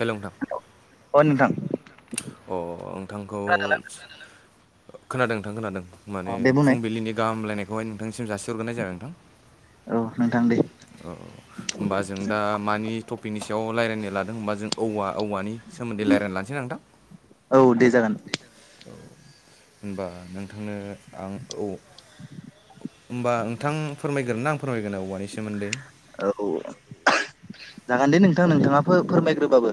Hello नोंथां। अ नोंथां। अ नोंथांखौ खोनादों नोंथां खोनादों। माने फुंबिलिनि गाहाम हामलायनायखौहाय नोंथांनिसिम जासिहरग्रोनाय जाबाय नोंथां। अ होमबा जों दा मानि टपिकनि सा याव रायलायनो लादों होमबा जों औवा औवानि सोमोन्दै रायलायनो लानोसैना नोंथां। औ दे जागोन। होमबा नोंथांनो आं औ होमबा नोंथां फोरमायग्रोरनो ना आं फोरमायगोरनो आं औवानि सो औ जागोन दे नोंथां नोंथाङा फो फोरमायग्रोबाबो।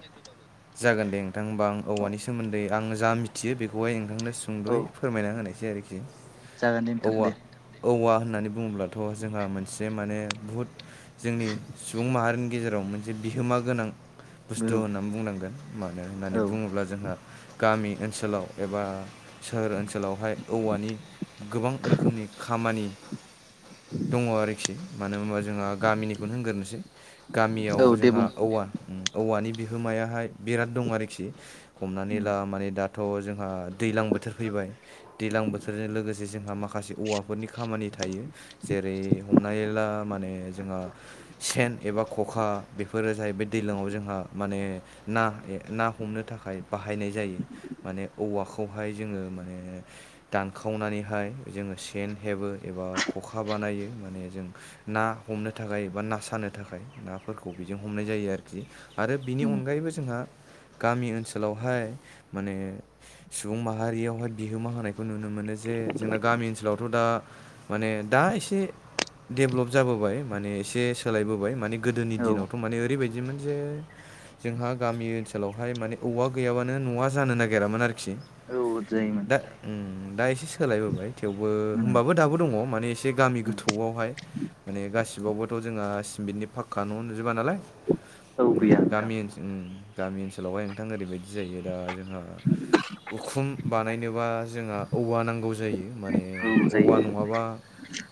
जागोन दे नोंथां होमबा आं औवानि सोमोन्दै आं जा मिथियो बेखौ खौहाय नोंथांनो सुंद'यै फोरमायना होनायसै आरोखि औवा औवा होननानै बुङोब्लाथ' जोंहा मोनसे माने बुहुद जोंनि सुबुं माहारिनि गेजेराव मोनसे बिहोमा गोनां बुस्थु होननानै बुंनांगोन मानो होननानै बुङोब्ला जों गामि ओनसोलाव एबा सोहोर ओनसोलावहाय औवानि गोबां रोखोमनि खामानि दङ आरोखि मानो होमबा जोंहा गामिनिखौनो होनग्रोनोसै गामियाव जोंहा औवा औवानि बिहोमायाहाय बिराद दं आरोखि। हमनानै ला माने दाथ' जोंहा दैलां बोथोर फैबाय दैलां बोथोरजों लोगोसे जोंहा माख माखासे औवाफोरनि खामानि थायो जेरै हमनानै ला माने जोंहा सेन एबा खखा बेफोरो जाहैबाय दैलांआव जोंहा माने ना ना हमनो थाखाय बाहायनाय जायो माने औवाखौ खौहाय जोङो माने दावखावनानैहाय जोङो सेन हेबो एबा खखा बाना बानायो माने जों ना हमनो थाखाय बा ना सानो थाखाय नाफोरखौ बेजों हमनाय जायो आरोखि। आरो बिनि अनगायैबो जों ङो गामि ओनसोलावहाय माने सुबुं माहारियावहाय बिहोमा होनाय खौ नुनो मोनो जे जोंना गामि ओनसोलावथ' दा माने दा एसे डेभ्लप जाबोबाय माने एसे सोलायबोबाय माने गोदोनि दिनावथ' माने ओरैबायदिमोन जे जोंहा गामि ओनसोलावहाय माने औवा गैयाबानो न'आ जानो नागिरामोन आरो खि दा उम दा एसे सोलायबोबाय। थेवबो होमबाबो दाबो दङ माने एसे गामि गोथौआवहाय माने गासि आवबोथ' जोंहा सिमेन्टनि पाक्का न' नुजोबा नालाय गामि ओनसोल गामि ओनसोलावहाय नोंथां ओरैबायदि जायो दा जोंहा उखुम बानायनोबा जोंहा औवा नांगौ जायो। माने औवा नङाबा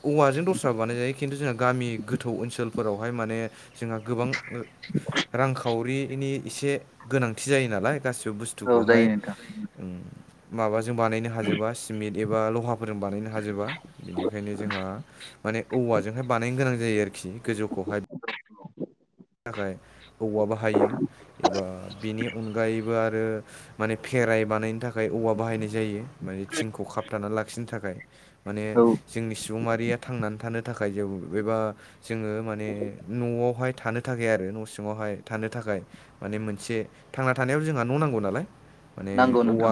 औवाजों दस्राबो बानाय जायो। खिन्थु जोंहा गामि गोथौ ओनसोलफोरावहाय माने जोंहा गोबां ओ रांखावरि बेनि एसे गोनांथि जायो नालाय गासिबो बुस्थुखौहाय उ माबाजों बानायनो हाजोबा सिमेन्ट एबा लहाफोरजों बानायनो हाजोबा बेनिखायनो जोंहा माने औवाजोंहाय बानायनो गोनां जायो आरोखि गोजौखौहाय औ थाखाय औवा बाहायो एबा बिनि अनगायैबो आरो मान खेराइ बानायनो थाखाय औवा बाहायनाय जायो माने थिंखौ खाबथानानै लाखिनो थाखाय माने जोंनि सुबुंआारिया थांनानै थानो थाखाय ज एबा जोङो माने न'आवहाय थानो थाखाय थाखाय आरो न' सिङावहाय थानो थाखाय माने मोनसे थांना थानायाव जोंहा न' नांगौ नालाय माने औवा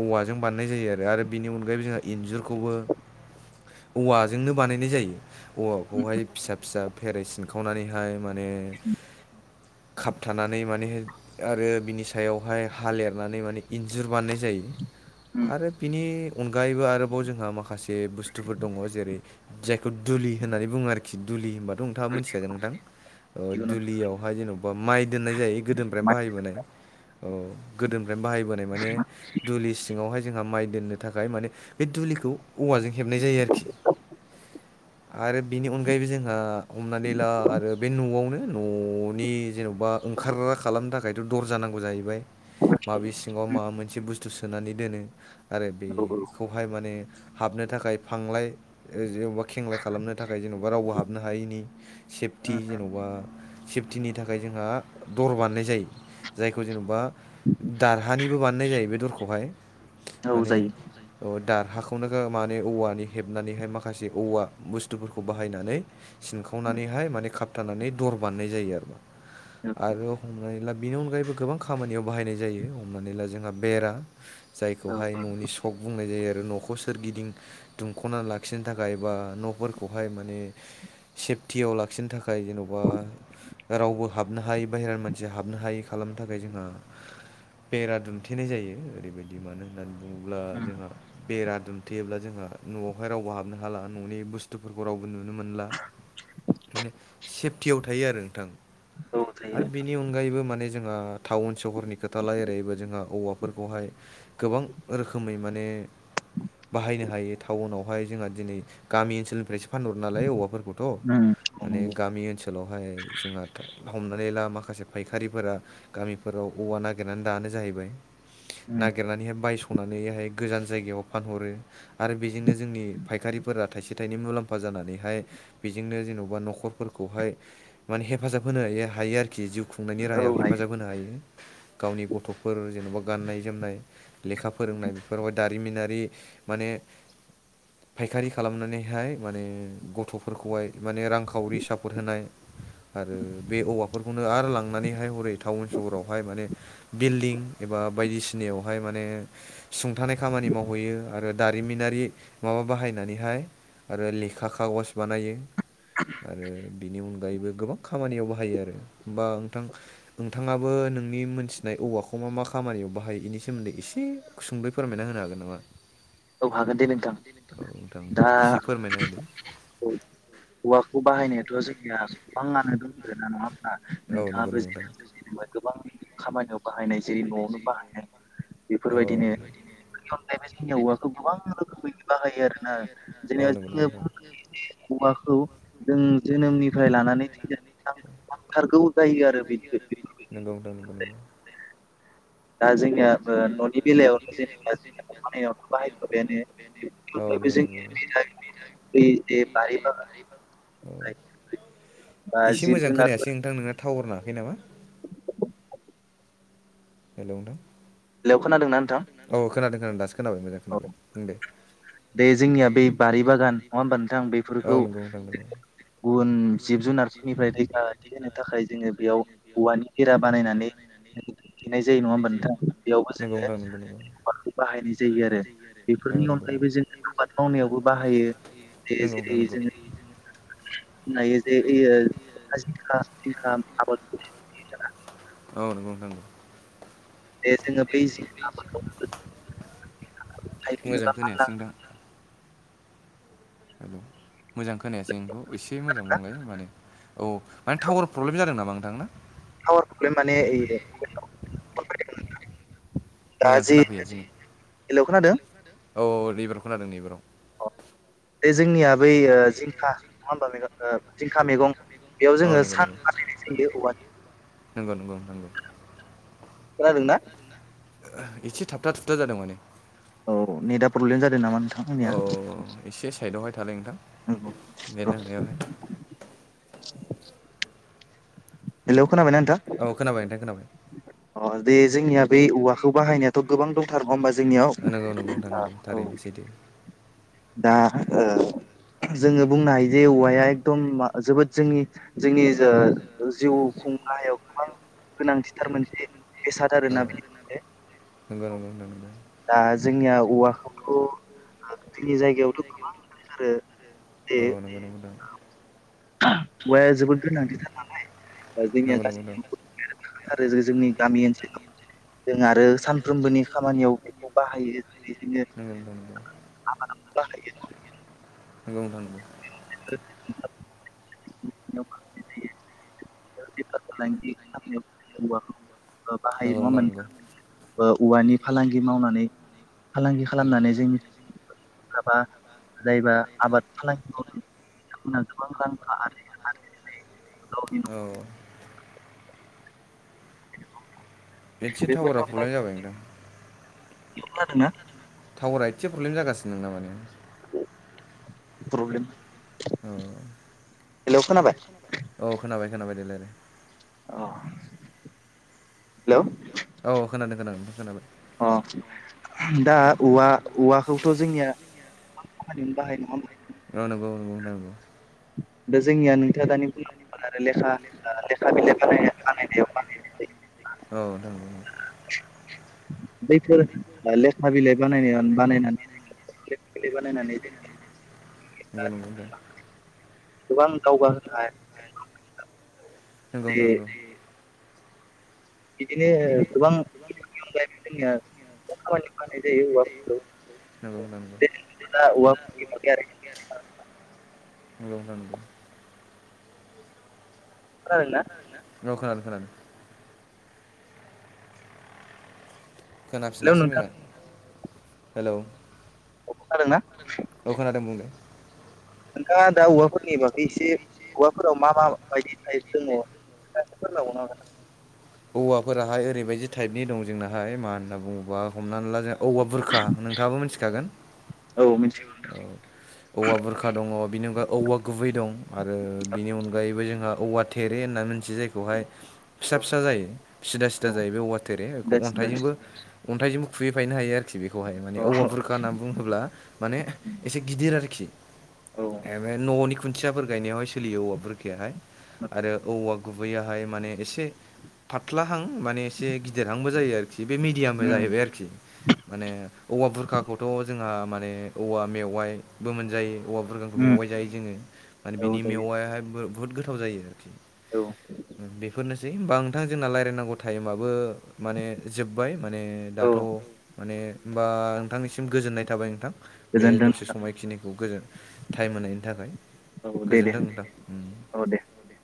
औवाजों बानायनाय जायो आरो आरो बेनि अनगायैबो जोंहा इन्जुरखौबो औवाजोंनो बानायनाय जायो औवाखौहाय फिसा फिसा फेराय सिनखावनानै हाय माने खाबथानानै माने आरो बिनि सायावहाय हा लेरनानै माने इन्जुर बानायनाय जायो आरो बिनि अनगायैबो आरोबाव जोंहा माखासे बुस्थुफोर दङ जेरै जायखौ दुलि होननानै बुङो आरोखि दुलि होनबा द नोंथां मिथिखागोन नोंथां दुलियावहाय जेनेबा माइ दोननाय जायो गोदोनिफ्रायनो बाहायबोनायनि ओमफ्राय बाहायबोनाय माने दुलिस सिङावहाय जोंहा माइ दोननो थाखाय माने बे दुलिखौ औवाजों हेबनाय जायो आरोखि आरो बिनि अनगायैबो जोंहा हमना दै ला आरो बे न'आवनो न'नि जेन'बा ओंखारग्रा खालामनो थाखायथ' दरजा नांगौ जाहैबाय। माबे सिङाव माबा मोनसे बुस्थु सोनानै दोनो आरो बेखौहाय माने हाबनो नो थाखाय फांलाय जेनबा खेंलाय खालामनो थाखाय जेन'बा रावबो हाबनो हायैनि सेफ सेफटि जेन'बा सेफटिनि थाखाय जोंहा दर बानायनाय जायो जायखौ जेनेबा दारहानिबो बानायनाय जायो बे दरखौहाय माने दारहाखौ नो माने औवानि हेबनानै माखासे औवा बुुस्थुफोरखौ बाहायनानैनानै सिंखावनानैहाय माने खाबथानानै दर बारनाय जायो आरोा आरो हमनानै ला बेनि अनगायैबो गोबां खामानियाव बाहायनाय जायो हमनानै ला जोंहा बेरा जायखौहाय न'नि सक बुंनाय जायो आरो आरो न'खौ सोरगिदिं दुंख'ना लाखिनो थाखाय बा न'फोरखौहाय माने सेफ्टियाव लाखिनो थाखाय थाखाय जेन'बा रावबो हाबनो हायै बाहेरानि मानसिया हाबनो हायै खालामनो थाखाय जोंहा बेरा दुमथेनाय जायो ओरैबायदि मानो होननानै बुङोब्ला जोंहा बेरा दुमथेयोब्ला जोंहा न'आवहाय रावबो हाबनो हाला न'नि बुस्थुफोरखौ रावबो नुनो मोनला माने सेफटियाव थायो आरो नोंथां आरो बेनि अनगायैबो मान जों टाउन सहरनि खोथा रायलायोब्ला जोंहा औवाफोरखौहाय गोबां रोखोमै माने ए बाहायनो हायो टाउनावहाय जोंहा दिनै गामि ओनसोलनिफ्रायसो फानहरो नालाय औवाफोरखौ उम ओनसोलावहाय जोंहा हमनानै ला माखासे फायखारिफोरा गामिफोराव औवा नागिरनानै दानो जाहैबाय नागिरनानैहाय बायस नानैहाय गोजान जायगायाव फानहरो आरो बेजोंनो जोंनि फायखारिफोरा थाइसे थाइनै मुलामफा ज होनानैहाय बेजोंनो जेन'बा नखर खौहाय माने हेफाजाब होनो हायो हायो आरोखि जिउ खुंनायनि राहायाव हेफाजाब होनो हायो गावनि गथ'फोर जेन'बा गाननाय जोमनाय लेखा फोरोंनाय बेफोरावहाय दारिमिनारि माने फायखारि खालामनानैहाय माने गथ'फोरखौहाय माने रांखावरि सा मदद होनाय आरो बे औवाफोरखौनो आरो लांनानैहाय हरै टाउन सहरावहाय माने बिल्डिं एबा बा बायदिसिनायावहाय माने सुंथानाय खामानि मावहैयो आरो दारिमिनारि माबा बाहायनानैहाय आरो लेखा खागज बानायो आरो बेनि अनगायैबो गोबां खामानियाव बाहायो आरो हबा नोंथां नोंथाङाबो नोंनि मोनथिनाय औवाखौ मा मा खामानियाव बाहायो बेनि सोमोन्दै एसे सुंदयै फोरमायना होनो हागोन नामा नोंथां एसे फोरमायनो नागिरदों औवा खौ बाहाय नायाथ या गोबांयानो दं रोना नङा होना नोंथाङाबो जे म गोबां खामानियाव बाहायनाय जेरै न'आवनो बाहायनाय बेफोरबायदिनो औवाखौ जोंनिवा गोबां रोखोमै बाहायो आरो ना जेनेबा जोङो [unintelligible] औवा खौ जों जोनोमनिफ्राय लानानै [unintelligible] जायखौ जायो आरो [unintelligible] नंगौ नोंथां नंगौ दा जोंनिया न'नि बेलायावनो जेनेबा जों दखानायावनो बाहायखाबायानो जोंनिया [unintelligible] नंगौ नोंथां नंगौ बेदि बारि बागान एसे मोजां खोनायासै नोंथां नोंना टावर नाङाखै नामा हेल' नोंथां खोनादों औ खोनादों खोनादों दासो खोनाबाय मोजां खोनाबाय दे दे जोंनिया बै बारि बागान नङा होमबा नोंथां बेफोरखौ गुबुन जिब जुनारफोरनिफ्राय रैखाथि होनो थाखाय जोङो बेयाव औवानि बेरा बानायनानै दुमथेनाय जायो नङा होमबा नोंथाङा बेयाव आबादखौ बाहायनाय जायो आरो बेफोरनि अनगायैबो जों आबाद मावनायावबो बाहायो जेरै जोङो न जे [unintelligible] औ नंगौ नंगौ [unintelligible] बुंथिगिरिनि जेबो खोनानो मोननाय जायाखै [unintelligible] बुंथिगिरिनि मोजां खोनानो मोननाय जायाखै हेलो मोजां खोनायासै नोंखौ एसे मोजां बुंलाय मानो औ माने टावार प्रब्लेम जादों नामा नोंथां ना थावार प्रब्लेम माने [unintelligible] मोजां खोनाफैया जों औ एबाराव खोनादों एबाराव बे जोंनिया बै जिंखा नङा होनबा जिंखा मैगं औ नंगौ नंगौ नंगौ नंगौ नंगौ खोनादोंना एसे थाबथा थाबथ्ला जादों माने औ नेटआ प्रब्लेम जादों नामा नोंथां आंनिया साइदआवहाय थालाय नोंथां नेट नांनायावहाय हेल' औ खोनाबाय नोंथां खोनाबाय अ दे जोंनिया बे औवाखौ बाहायनायाथ' गोबां दंथारो नङा होनबा नंगौ नंगौ नंगौ नोंथां थारैनो सैथो दा ओ जोङो बुंनो हायो जे औवाया एकदम जोबोद जोंनि जोंनि जो जिउ खुं नायाव गोबां गोनांथिथार मोनसे औ नंगौ नंगौ नोंथां नंगौ जोंनिया औवाखौथ' जोंनि जायगायावथ' गोबां [unintelligible] औ नंगौ नंगो नंगौ औवाया जोबोद गोनांथिथार नालाय जोंनिया [unintelligible] आरो जोंनि गामि ओनसोलाव जों आरो सानफ्रोमबोनि खामानियाव बेखौ बाहायो जेरै जोङो आबादाव बाहायो [inaudible] नंगौ नोंथां नंगौ नंगौ [unintelligible] बेफार फालांगि खालामनायाव बाहायो औवाखौ बाहायो नङा होमबा नोंथां ओ औवानि फालांगि मावनानै फालांगि खालामनानै जोंनिाबा जायबा आबाद फालांगियाव गोबां रां आरजिनानै गावनि नखरखौ [inaudible] एसे टावारा प्रब्लेम जाबाय नोंथां खोनादोंना? टावारा एसे प्रब्लेम जागासिनो नोंना माने प्रब्लेम औ औ खोनाबाय खोनाबाय दे रायलाय अ हेल' औ खोनादों खोनादों खोनाबाय अ दा औवा औवाखौथ' जोंनिया गोबां खामानियावनो बाहायो नङा होनबा नंगौ नंगौ नोंथां [unintelligible] [inaudible] दैफोर लेखा बिलाइ बानाय बानायनानै बानायनानै नंगौ नंगौ नोंथां गोबां नोंगौ नोंथां नोंगौ बिदिनो ओ गोबां बेफोरनि अनगायैबो जोंनिया गोबां खामानियाव बाहायनाय जायो औवाफोरखौ [unintelligible] [inaudible] नोंगौ नोंथां खोनादोंना औ खोनादों [inaudible] खोनाफिनासै मोजां हेलौ खोनादोंना? औ खोनादों बुंलाय नोंथाङा दा औवाफोरनि बागै एसे औवाफोराव मा माबायदि टाइप दङ [unintelligible] औवाफोराहाय ओरैबायदि टाइप नि दं जोंनाहाय मा होनना बुङोबा हमनानै ला जों औवा बुरखा नोंथाङाबो मिथिखागोन औ औवा बुरखा दङ, बिनि अनगायै औवा गुबै दं आरो बिनि अनगायैबो जों ओ औवा थेरे होनना मिथियो जायखौहाय फिसा फिसा जायो सिदा सिदा जायो बे वौवा थेरे बेखौ अन्थाइजोंबो अन्थाइजोंबो खुबैफायनो हायो आरोखि बेखौहाय माने औवा बुरखा होनना बुङोब्ला माने एसे गिदिर आरोखि औवा'नि खुन्थियाफोर गायनायावहाय सोलियो औवा बुरखायाहाय आरो औवा गुबैयाहाय माने एसे फाथ्लाहां माने एसे गिदिरहांबो जायो आरोखि खि बे मिडियामबो जाहैबाय आरोखि माने औवा बुरखाखौथ' जोंहा माने औवा मेवाइबो मोनजायो औवा बरखाखौ मेवाइ जायो जोङो मान बिनि मेवायाहाय बुहुद गोथाव जायो आरोखि बेफोरनोसै होमबा नोंथां जोंना रायज्लायनांगौ थाइमाबो माने जोब्बाय माने दाथ' माने होमबा नोंथांनिसिम गोजोननाय थाबाय नोंथां बे दसे समायखिनिखौ बे खौ गोजोन थाइम होनायनि थाखाय गोजोनथों नोंथां